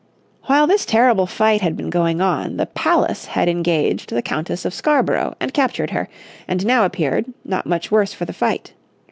While this terrible fight had been going on the Pallas had engaged the Countess of Scarborough, and captured her, and now appeared, not much worse for the fight.